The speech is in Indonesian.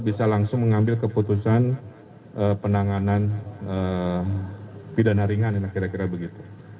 bisa langsung mengambil keputusan penanganan pidana ringan kira kira begitu